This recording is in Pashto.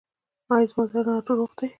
ایا زما زړه روغ دی؟